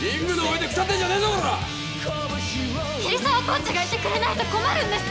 コーチがいてくれないと困るんです！